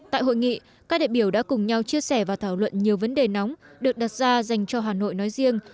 tại hội nghị các đại biểu đã cùng nhau chia sẻ và thảo luận nhiều vấn đề nóng được đặt ra dành cho hà nội nói riêng